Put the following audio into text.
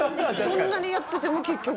そんなにやってても結局？